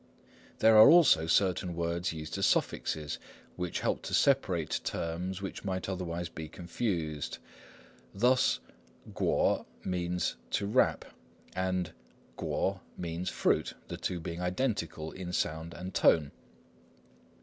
There are also certain words used as suffixes, which help to separate terms which might otherwise be confused. Thus 裹 _kuo_^3 means "to wrap," and 果 _kuo_^3 means "fruit," the two being identical in sound and tone.